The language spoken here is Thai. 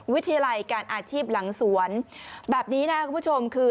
วิทยาลัยการอาชีพหลังสวนแบบนี้นะครับคุณผู้ชมคือ